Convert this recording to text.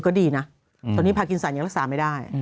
ก็ดีนะตอนนี้พากินสันยังรักษาไม่ได้